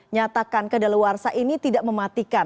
nyatakan ke dalawarsa ini tidak mematikan